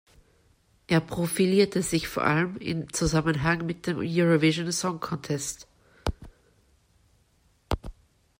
Er profilierte sich vor allem in Zusammenhang mit dem Eurovision Song Contest.